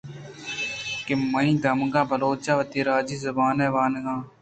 کہ مئے دمگ ءِ بلوچاں وتی راجی زُبان ءِ وانگ